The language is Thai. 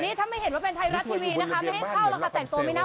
นี่ถ้าไม่เห็นว่าเป็นไทยรัฐทีวีนะคะ